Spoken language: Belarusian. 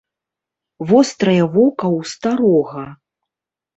Вострае вока ў старога.